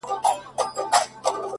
دې خاموش کور ته د خبرو بلبللکه راځي;